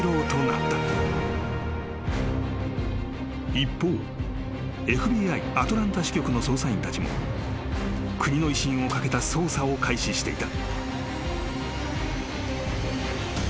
［一方ＦＢＩアトランタ支局の捜査員たちも国の威信を懸けた捜査を開始していた］